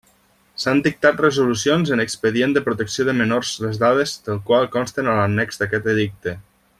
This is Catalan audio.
S'han dictat resolucions en expedient de protecció de menors les dades del qual consten a l'annex d'aquest Edicte.